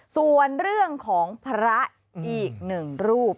ส่วนเรื่องของพระอีกหนึ่งรูป